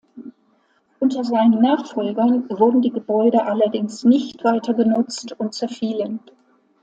Unter seinen Nachfolgern wurden die Gebäude allerdings nicht weiter genutzt und zerfielen.